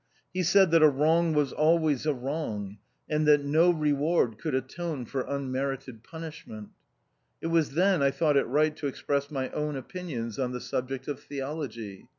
He said that a 6 THE OUTCAST. wrong was always a wrong, and that no reward could atone for unmerited punish ment. It was then I thought it right to express my own opinions on the subject of theology.